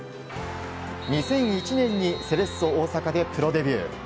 ２００１年にセレッソ大阪でプロデビュー。